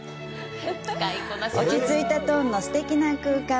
落ち着いたトーンのすてきな空間。